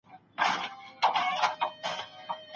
خوبس